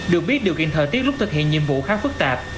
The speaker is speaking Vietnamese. được biết điều kiện thời tiết lúc thực hiện nhiệm vụ khá phức tạp